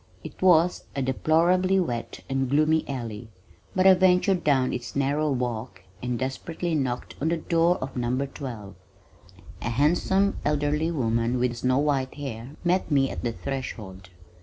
It was a deplorably wet and gloomy alley, but I ventured down its narrow walk and desperately knocked on the door of No. 12. A handsome elderly woman with snow white hair met me at the threshold.